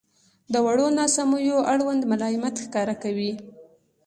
• د وړو ناسمیو اړوند ملایمت ښکاره کوئ.